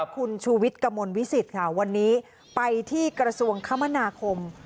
คุณชูวิทย์กระมวลวิสิตค่ะวันนี้ไปที่กระทรวงคมนาคม